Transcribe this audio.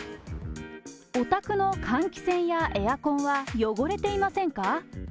お宅の換気扇やエアコンは汚れていませんか。